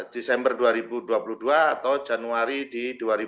desember dua ribu dua puluh dua atau januari di dua ribu dua puluh